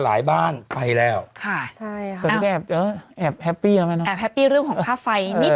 แอบแฮปปี้เรื่องของฝ่าไฟ